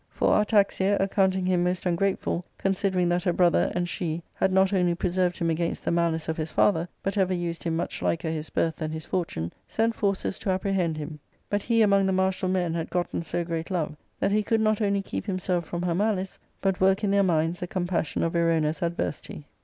For Artaxia, accounting him most ungrateful, considering that her brother and she had not only preserved him against the malice of his father, but ever used him much liker his birth than his fortune, sent forces to apprehend him ; but he among the martial men had gotten so great love that he could not only keep himself from her malice, but work in their minds a compassion of Erona's adversity.